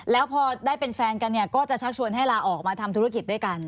แล้วพอได้เป็นแฟนกันเนี่ยก็จะชักชวนให้ลาออกมาทำธุรกิจด้วยกัน